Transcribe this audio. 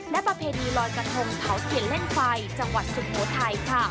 และประเพณีลอยกระทงเผาเทียนเล่นไฟจังหวัดสุโขทัยค่ะ